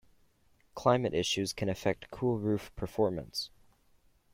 Climate issues can affect cool roof performance.